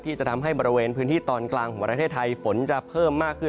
จะทำให้บริเวณพื้นที่ตอนกลางของประเทศไทยฝนจะเพิ่มมากขึ้น